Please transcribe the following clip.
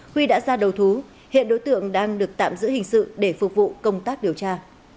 huy đã ra đầu thú hiện đối tượng đang được tạm giữ hình sự để phục vụ công tác điều tra